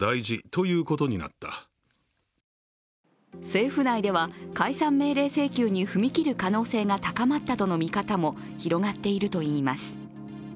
政府内では解散命令請求に踏み切る可能性が高まったとの見方も広がっているといいます。